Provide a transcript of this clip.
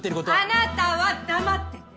あなたは黙ってて。